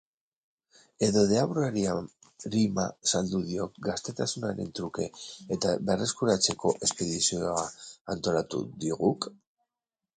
Edo deabruari arima saldu diok gaztetasunaren truke eta berreskuratzeko espedizioa antolatu diguk?